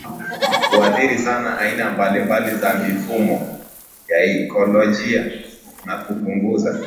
huathiri sana aina mbalimbali za mifumo ya ikolojia na kupunguza